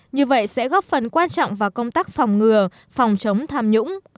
như vậy sẽ góp phần quan trọng vào công tác phòng ngừa phòng chống tham nhũng